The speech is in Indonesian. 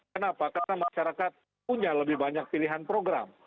kenapa karena masyarakat punya lebih banyak pilihan program